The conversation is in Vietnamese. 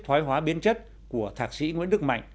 thoái hóa biến chất của thạc sĩ nguyễn đức mạnh